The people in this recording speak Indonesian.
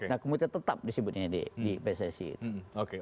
nah komite tetap disebutnya di pssi